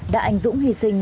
đã anh dũng hy sinh